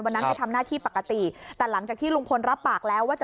วันนั้นไปทำหน้าที่ปกติแต่หลังจากที่ลุงพลรับปากแล้วว่าจะ